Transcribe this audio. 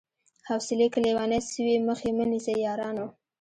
حوصلې که ليونۍ سوې مخ يې مه نيسئ يارانو